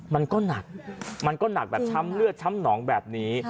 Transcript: มันก็หนักมันก็หนักแบบช้ำเลือดช้ำหนองแบบนี้